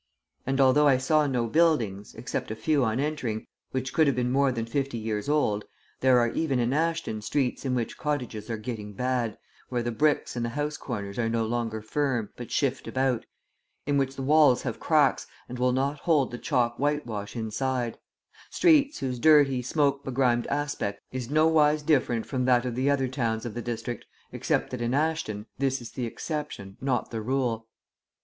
And, although I saw no buildings, except a few on entering, which could have been more than fifty years old, there are even in Ashton streets in which the cottages are getting bad, where the bricks in the house corners are no longer firm but shift about, in which the walls have cracks and will not hold the chalk whitewash inside; streets, whose dirty, smoke begrimed aspect is nowise different from that of the other towns of the district, except that in Ashton, this is the exception, not the rule.